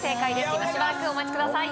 今しばらくお待ちください